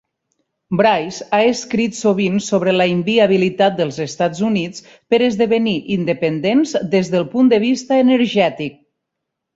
Bryce ha escrit sovint sobre la inviabilitat dels Estats Units per esdevenir independents des del punt de vista energètic.